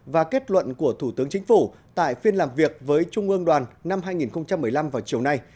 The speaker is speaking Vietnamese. và kết luận của thủ tướng chính phủ tại phiên làm việc với trung ương đoàn năm hai nghìn một mươi năm vào chiều nay